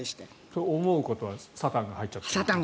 そう思うことはサタンが入っちゃった。